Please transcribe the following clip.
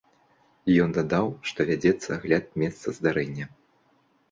Ён дадаў, што вядзецца агляд месца здарэння.